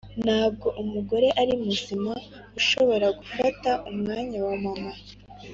ntabwo umugore ari muzima ushobora gufata umwanya wa mama